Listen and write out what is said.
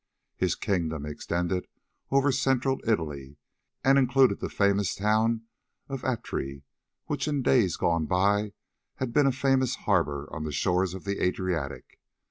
His kingdom extended over Central Italy, and included the famous town of Atri, which in days gone by had been a famous harbour on the shores of the Adriatic.